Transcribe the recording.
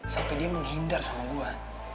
sampai dia menghindar sama buah